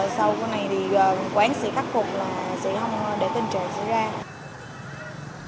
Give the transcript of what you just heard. sau cái này quán sẽ khắc phục sẽ không để tình trạng xảy ra